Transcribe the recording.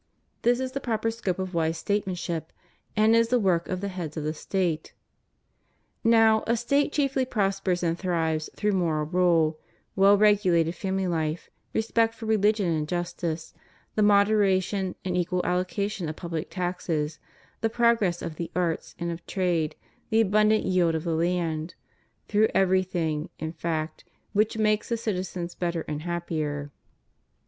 This is the proper scope of wise statesmanship and is the work of the heads of the State. Now, a State chiefly prospers and thrives through moral rule, well regulated family life, respect for reUgion and justice, the moderation and equal allocation of pubUc taxes, the prog ress of the arts and of trade, the abundant yield of the land — through everything, in fact, which makes the citi zens better and happier.